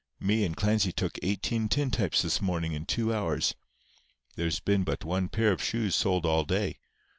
Me and Clancy took eighteen tintypes this morning in two hours. There's been but one pair of shoes sold all day.